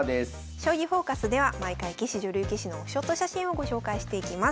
「将棋フォーカス」では毎回棋士女流棋士のオフショット写真をご紹介していきます。